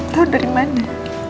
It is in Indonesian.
tau dari mana